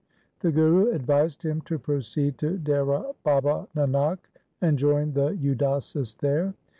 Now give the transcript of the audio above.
The Guru advised him to proceed to Dehra Baba Nanak and join the Udasis there.